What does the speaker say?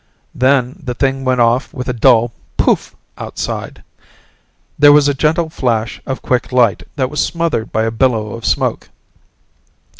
Then the thing went off with a dull pouf! outside. There was a gentle flash of quick light that was smothered by a billow of smoke.